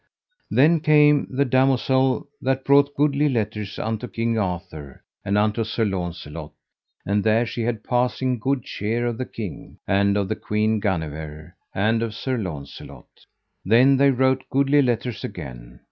Then came the damosel that brought goodly letters unto King Arthur and unto Sir Launcelot, and there she had passing good cheer of the king, and of the Queen Guenever, and of Sir Launcelot. Then they wrote goodly letters again.